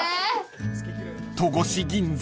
［戸越銀座